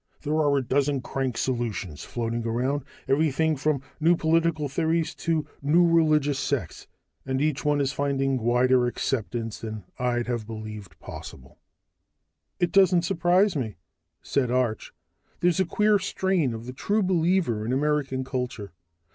There are a dozen crank solutions floating around, everything from new political theories to new religious sects, and each one is finding wider acceptance than I'd have believed possible." "It doesn't surprise me," said Arch. "There's a queer strain of the True Believer in American culture.